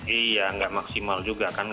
iya nggak maksimal juga